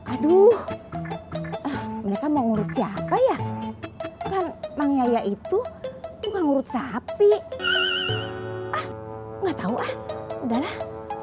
aduh mereka mau ngurut siapa ya kan mang yaya itu ngurut sapi ah nggak tahu ah udah lah